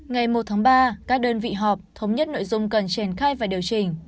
ngày một tháng ba các đơn vị họp thống nhất nội dung cần triển khai và điều chỉnh